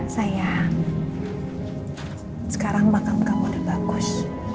sayang sekarang makam kamu udah bagus